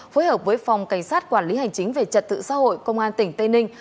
phối hợp với phòng cảnh sát quản lý hành chính về trật tự xã hội công an tỉnh tây ninh